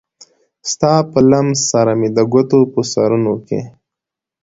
ستا په لمس سره مې د ګوتو په سرونو کې